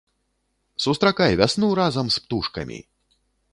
Сустракай вясну разам з птушкамі!